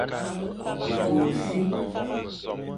Ku e si.